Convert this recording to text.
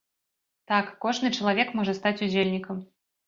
Так, кожны чалавек можа стаць удзельнікам!